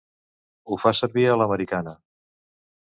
Ho fa servir a l'americana.